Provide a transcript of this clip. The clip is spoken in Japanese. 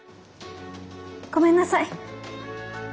ごめんなさい。